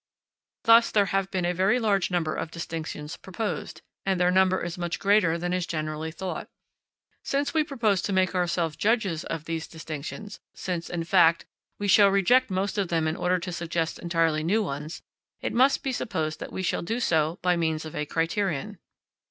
Thus there have been a very large number of distinctions proposed, and their number is much greater than is generally thought. Since we propose to make ourselves judges of these distinctions, since, in fact, we shall reject most of them in order to suggest entirely new ones, it must be supposed that we shall do so by means of a criterion.